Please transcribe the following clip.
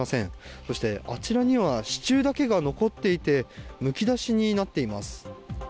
そしてあちらには、支柱だけが残っていて、むき出しになっています。